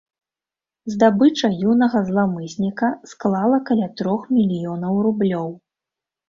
Здабыча юнага зламысніка склала каля трох мільёнаў рублёў.